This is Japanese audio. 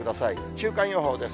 週間予報です。